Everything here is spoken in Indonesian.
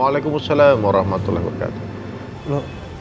wa'alaikumussalam warahmatullahi wabarakatuh